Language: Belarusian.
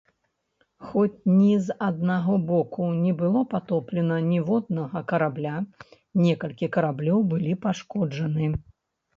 Хоць ні з аднаго боку не было патоплена ніводнага карабля, некалькі караблёў былі пашкоджаны.